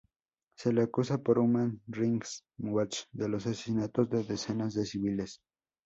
Se le acusa por Human Rights Watch de los asesinatos de decenas de civiles.